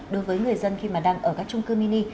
đối với người dân khi mà đang ở các trung cư mini